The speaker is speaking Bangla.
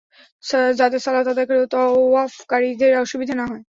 যাতে সালাত আদায়কারী ও তাওয়াফকারীদের অসুবিধা না হয়।